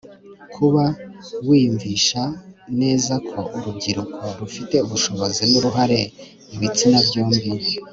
kuba wiyumvisha neza ko urubyiruko rufite ubushobozi n uruhare ibitsina byombi